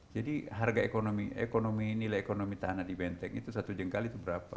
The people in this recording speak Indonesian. jadi harga ekonomi nilai ekonomi tanah di benteng itu satu jengkal itu berapa